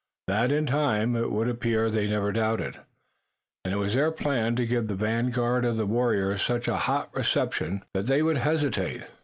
That, in time, it would appear they never doubted, and it was their plan to give the vanguard of the warriors such a hot reception that they would hesitate.